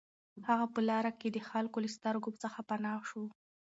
هغه په لاره کې د خلکو له سترګو څخه پناه شو